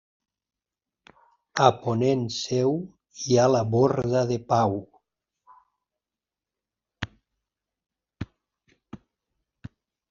A ponent seu hi ha la borda de Pau.